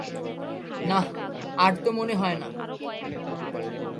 নাহ, আমার তো মনে হয় না।